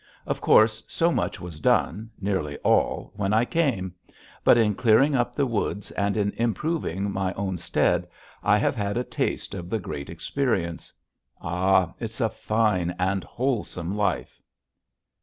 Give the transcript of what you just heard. Of course so much was done nearly all when I came. But in clearing up the woods and in improving my own stead I have had a taste of the great experience. Ah, it's a fine and wholesome life!...